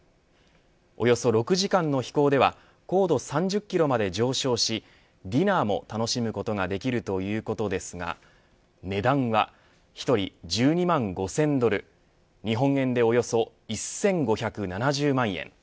およそ６時間の飛行では高度３０キロまで上昇しディナーも楽しむことができるということですが値段は１人１２万５０００ドル日本円でおよそ１５７０万円。